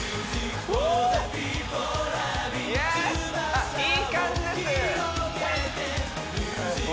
あっいい感じです